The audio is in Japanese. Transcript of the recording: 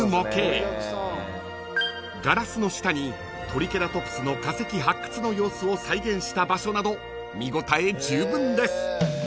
［ガラスの下にトリケラトプスの化石発掘の様子を再現した場所など見応えじゅうぶんです］